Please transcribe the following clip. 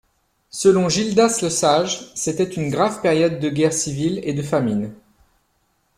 Selon Gildas le Sage, c'était une grave période de guerre civile et de famine.